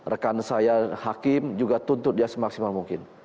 rekan saya hakim juga tuntut dia semaksimal mungkin